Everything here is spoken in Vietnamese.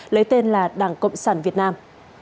lấy tên là đảng cộng sản việt nam